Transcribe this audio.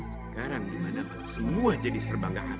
sekarang dimana malah semua jadi serbang gak aman